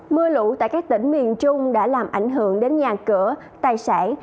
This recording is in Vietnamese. mưa lũ tại các tỉnh miền trung đã làm ảnh hưởng đến nhà cửa tài sản